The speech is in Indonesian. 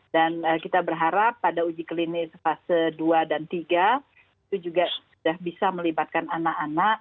dan kita berharap pada uji klinis fase dua dan tiga itu juga sudah bisa melibatkan anak anak